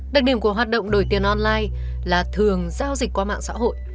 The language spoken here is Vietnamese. đặc điểm của hoạt động đổi tiền online là thường giao dịch qua mạng xã hội